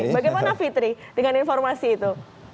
bagaimana fitri dengan informasi itu